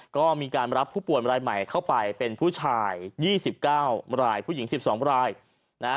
ก็มีการรับผู้ป่วนรายใหม่เข้าไปเป็นผู้ชายยี่สิบเก้ารายผู้หญิงสิบสองรายนะฮะ